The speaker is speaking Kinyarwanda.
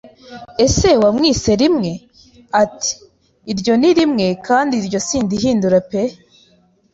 "" Ese wamwise rimwe? ati: Iryo ni rimwe, kandi ryo sindihindura peee